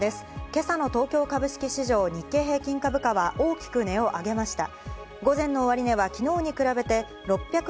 今朝の東京株式市場、日経平均株価は大きく値を上げました。